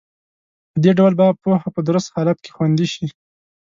په دې ډول به پوهه په درست حالت کې خوندي شي.